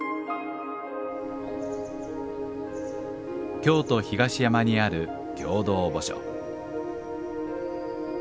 京都・東山にある共同墓所。